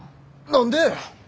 何で。